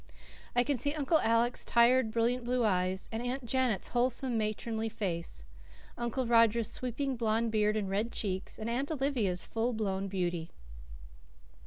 I can see Uncle Alec's tired, brilliant, blue eyes, Aunt Janet's wholesome, matronly face, Uncle Roger's sweeping blond beard and red cheeks, and Aunt Olivia's full blown beauty.